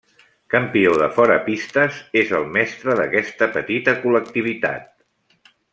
Campió de fora pistes, és el mestre d'aquesta petita col·lectivitat.